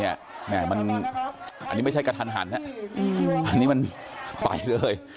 อันนี้ไม่ใช่กระทันหันอันนี้มันไปเลย